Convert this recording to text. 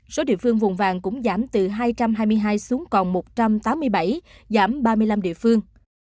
số địa phương vùng vàng cũng giảm từ hai trăm hai mươi hai xuống còn một trăm tám mươi bảy giảm ba mươi năm địa phương